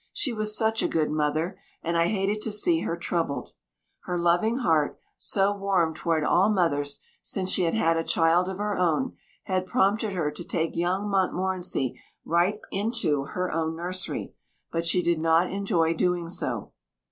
She was such a good mother, and I hated to see her troubled. Her loving heart, so warm toward all mothers, since she had had a child of her own, had prompted her to take young Montmorency right into her own nursery, but she did not enjoy doing so.